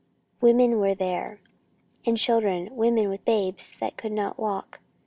Women were there, and children women with babes that could not walk.